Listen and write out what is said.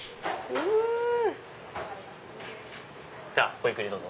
ごゆっくりどうぞ。